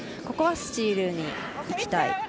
ここはスチールにいきたい。